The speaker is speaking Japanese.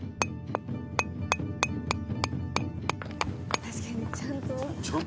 「確かにちゃんと」